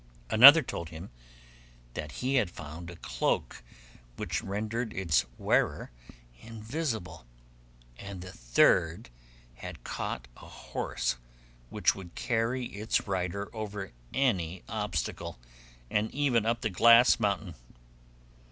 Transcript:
Another told him that he had found a cloak which rendered its wearer invisible; and the third had caught a horse which would carry its rider over any obstacle, and even up the glass mountain.